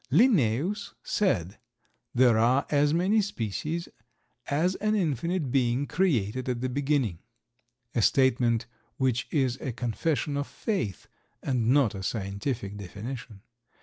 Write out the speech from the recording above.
Linnaeus said: "There are as many species as an infinite Being created at the beginning," a statement which is a confession of faith, and not a scientific definition.